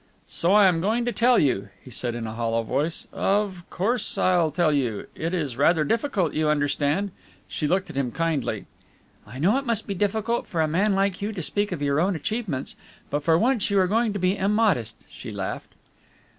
"So I am going to tell you," he said, in a hollow voice, "of course I'll tell you. It is rather difficult, you understand." She looked at him kindly. "I know it must be difficult for a man like you to speak of your own achievements. But for once you are going to be immodest," she laughed.